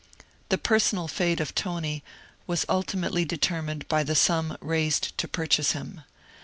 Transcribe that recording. The personal fate of Tony was ultimately determined by the sum raised to purchase him.